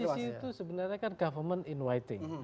komposisi itu sebenarnya kan government inviting